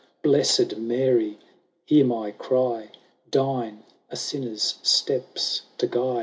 —" Blessed Mary, hear my cry ! Deign a sinner's steps to guide